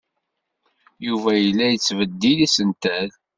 Yuba yella yettbeddil isental.